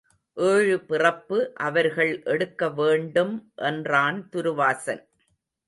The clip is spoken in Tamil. ஏழு பிறப்பு அவர்கள் எடுக்க வேண்டும் என்றான் துருவாசன்.